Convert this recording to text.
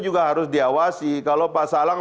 juga harus diawasi kalau pak salang